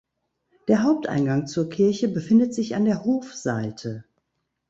Der Haupteingang zur Kirche befindet sich an der Hofseite.